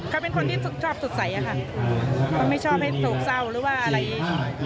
เขาเป็นคนที่ชอบสดใสอะค่ะเขาไม่ชอบให้โศกเศร้าหรือว่าอะไร